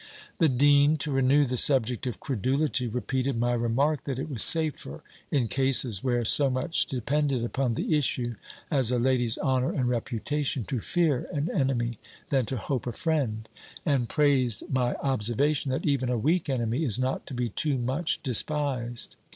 The dean, to renew the subject of credulity, repeated my remark, that it was safer, in cases where so much depended upon the issue, as a lady's honour and reputation, to fear an enemy, than to hope a friend; and praised my observation, that even a weak enemy is not to be too much despised.